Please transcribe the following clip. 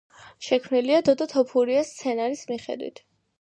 შექმნილია დოდო თოფურიას სცენარის მიხედვით.